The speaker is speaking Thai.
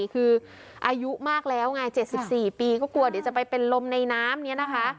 คืออายุมากแล้วไง๗๔ปีก็กลัวเดี๋ยวจะไปเป็นลมในน้ำนี้นะคะ